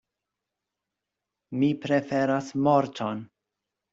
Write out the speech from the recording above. Mi preferas morton!